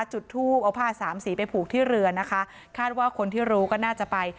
จุดทูบเอาผ้าสามสีไปผูกที่เรือนะคะคาดว่าคนที่รู้ก็น่าจะไป